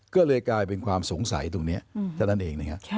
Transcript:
ก็เลยกลายเป็นความสงสัยตรงนี้เท่านั้นเองนะครับ